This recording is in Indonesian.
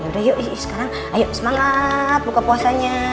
udah yuk sekarang ayo semangat buka puasanya